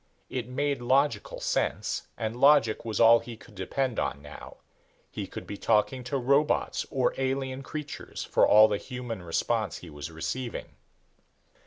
It made logical sense and logic was all he could depend on now. He could be talking to robots or alien creatures, for all the human response he was receiving.